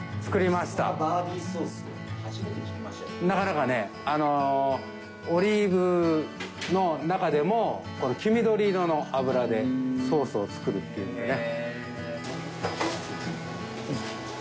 なかなかねオリーブの中でもこの黄緑色の油でソースを作るっていうんでね。